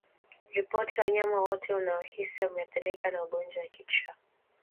Ripoti wanyama wote unaohisi wameathirika na ugonjwa wa kichaa